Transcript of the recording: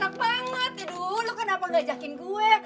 aduh lo kenapa nggak ajakin gue